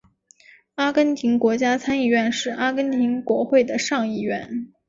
阿根廷国家参议院是阿根廷国会的上议院。